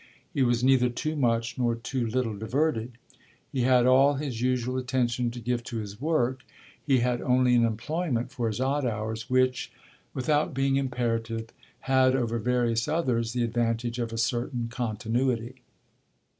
He was neither too much nor too little diverted; he had all his usual attention to give to his work: he had only an employment for his odd hours which, without being imperative, had over various others the advantage of a certain continuity.